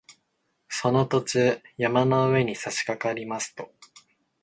その途中、山の上にさしかかりますと